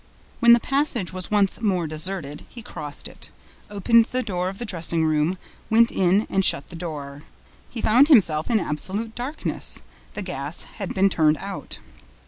When the passage was once more deserted, he crossed it, opened the door of the dressing room, went in and shut the door. He found himself in absolute darkness. The gas had been turned out.